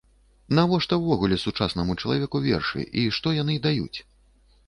Навошта ўвогуле сучаснаму чалавеку вершы і што яны даюць?